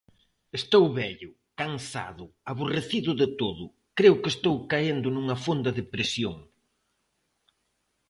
Estou vello, cansado, aborrecido de todo, creo que estou caendo nunha fonda depresión